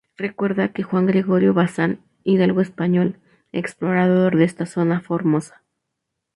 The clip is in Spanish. Recuerda a Juan Gregorio Bazán, hidalgo español, explorador de esta zona de Formosa.